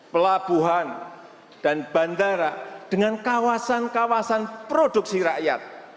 pelabuhan dan bandara dengan kawasan kawasan produksi rakyat